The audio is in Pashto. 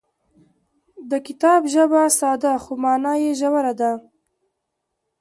د کتاب ژبه ساده خو مانا یې ژوره ده.